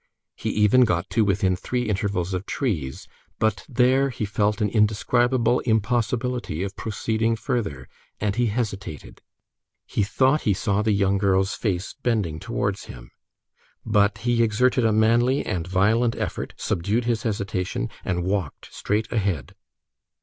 He even got to within three intervals of trees, but there he felt an indescribable impossibility of proceeding further, and he hesitated. He thought he saw the young girl's face bending towards him. But he exerted a manly and violent effort, subdued his hesitation, and walked straight ahead.